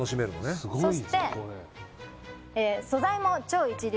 そして素材も超一流！